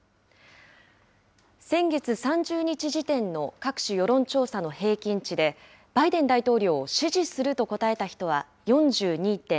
先月３０日時点の各種世論調査の平均値で、バイデン大統領を支持すると答えた人は４２．７％。